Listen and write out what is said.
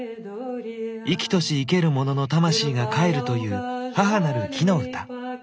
生きとし生けるものの魂がかえるという母なる木の歌。